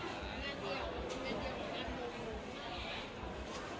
เพื่อนทุกคนก็ได้ด้วย